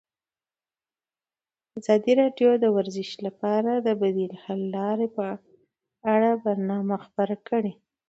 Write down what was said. ازادي راډیو د ورزش لپاره د بدیل حل لارې په اړه برنامه خپاره کړې.